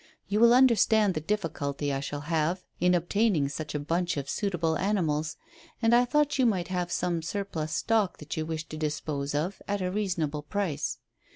You will understand the difficulty I shall have in obtaining such a bunch of suitable animals; and I thought you might have some surplus stock that you wish to dispose of at a reasonable price.